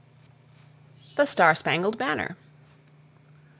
THE STAR SPANGLED BANNER.